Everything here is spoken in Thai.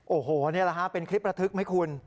โอ้โหนี่แหละฮะเป็นคลิประทึกไหมคุณ